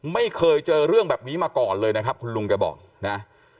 ไม่เคยเจอเรื่องแบบนี้มาก่อนเลยนะครับคุณลุงแกบอกนะ